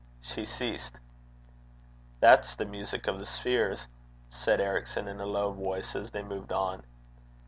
She ceased. 'That's the music of the spheres,' said Ericson, in a low voice, as they moved on.